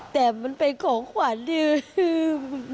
แต่มันเป็นของขวัญที่อื้ออื้อ